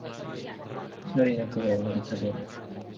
신철이는 그가 웃는 것을 보니 한층더 그에게 맘이 쏠리었다.